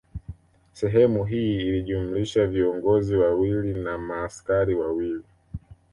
Sehemu hii ilijumlisha viongozi wawili na maaskari wawili